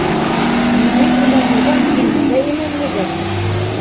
Минең именлегем - һинең дә именлегең.